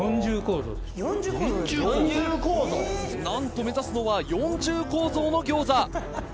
なんと目指すのは４重構造の餃子。